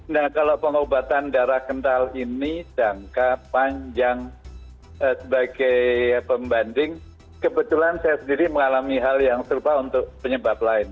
nah kalau pengobatan darah kental ini jangka panjang sebagai pembanding kebetulan saya sendiri mengalami hal yang serupa untuk penyebab lain